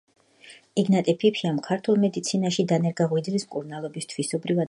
ეგნატე ფიფიამ ქართულ მედიცინაში დანერგა ღვიძლის მკურნალობის თვისობრივად ახალი მეთოდი.